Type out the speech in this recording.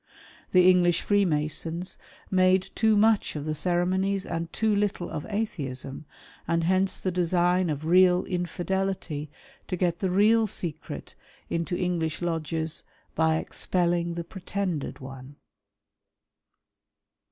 The English Freemasons made too much of the ceremonies and too little of Atheism, and hence the design of real Infidelity to get the '^ real secret " into English lodges by expelling the pretended one.